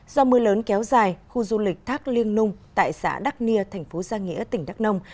do mưa lớn kéo dài khu du lịch thác liêng nung tại xã đắc nia thành phố giang nghĩa tỉnh đắk nông